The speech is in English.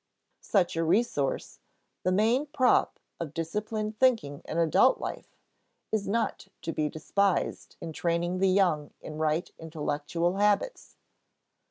Such a resource the main prop of disciplined thinking in adult life is not to be despised in training the young in right intellectual habits.